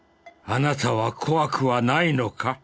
あなたは怖くはないのか。